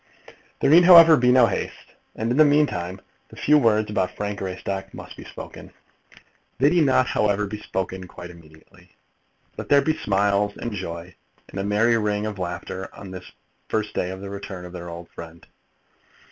There need, however, be no haste, and, in the meantime, the few words about Frank Greystock must be spoken. They need not, however, be spoken quite immediately. Let there be smiles, and joy, and a merry ring of laughter on this the first day of the return of their old friend.